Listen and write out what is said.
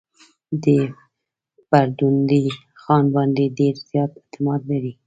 دی پر ډونډي خان باندي ډېر زیات اعتماد لري.